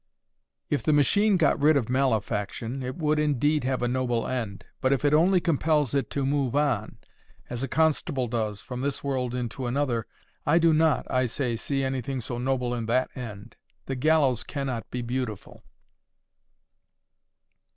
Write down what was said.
"If the machine got rid of malefaction, it would, indeed, have a noble end. But if it only compels it to move on, as a constable does—from this world into another—I do not, I say, see anything so noble in that end. The gallows cannot be beautiful."